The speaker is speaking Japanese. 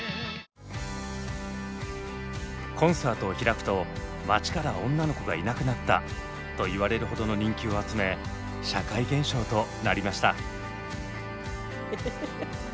「コンサートを開くと街から女の子がいなくなった」と言われるほどの人気を集め社会現象となりました。